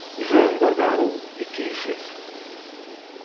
Ibren-d agaru, ikyef-it.